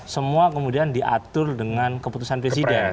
semua kemudian diatur dengan keputusan presiden